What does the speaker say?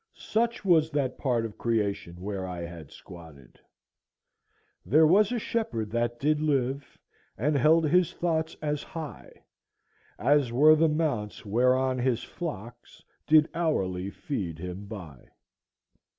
Such was that part of creation where I had squatted;— "There was a shepherd that did live, And held his thoughts as high As were the mounts whereon his flocks Did hourly feed him by."